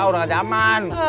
udah gak jaman